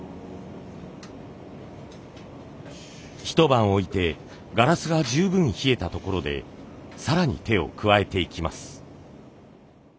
一晩置いてガラスが十分冷えたところで更に手を加えていきます。